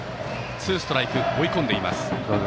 ツーストライクと追い込んでいます。